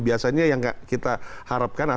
biasanya yang kita harapkan